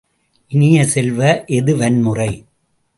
இனிய செல்வ, எது வன்முறை?